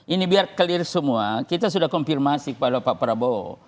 ini biar clear semua kita sudah konfirmasi kepada pak prabowo